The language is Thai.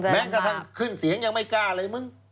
แม้กระทั่งขึ้นเสียงยังไม่กล้าเลยมึง